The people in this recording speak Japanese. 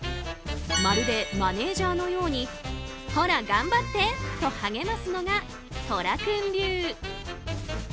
まるでマネジャーのようにほら、頑張って！と励ますのが、とら君流。